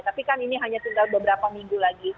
tapi kan ini hanya tinggal beberapa minggu lagi